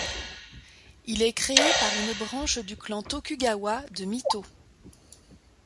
Il est créé par une branche du clan Tokugawa de Mito.